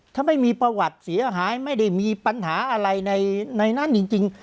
ถ้าไม่มีประวัติเสียหายไม่ได้มีปัญหาอะไรในนั้นจริง